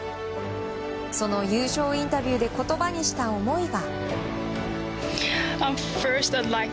その優勝インタビューで言葉にした思いが。